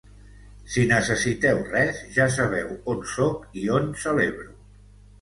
Si necessiteu res, ja sabeu on sóc i on celebro.